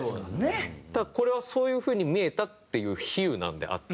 ただこれはそういう風に見えたっていう比喩なのであって。